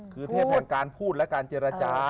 คือเทพแห่งการพูดและการเจรจา